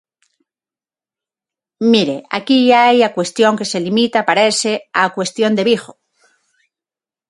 Mire, aquí hai a cuestión que se limita –parece– á cuestión de Vigo.